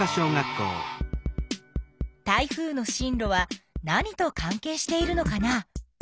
台風の進路は何と関係しているのかな？